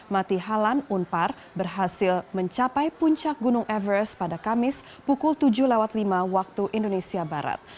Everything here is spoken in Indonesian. mati halan unpar berhasil mencapai puncak gunung everest pada kamis pukul tujuh lima waktu indonesia barat